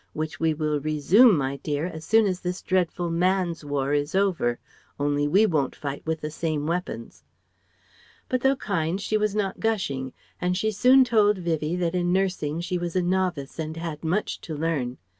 "which we will resume, my dear, as soon as this dreadful Man's war is over, only we won't fight with the same weapons." But though kind, she was not gushing and she soon told Vivie that in nursing she was a novice and had much to learn.